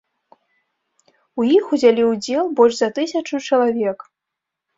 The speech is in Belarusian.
У іх узялі ўдзел больш за тысячу чалавек.